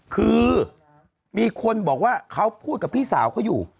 คือมีคนบอกว่าเขาพูดกับพี่สาวเขาอยู่